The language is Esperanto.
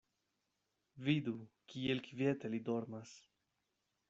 Vidu, kiel kviete li dormas.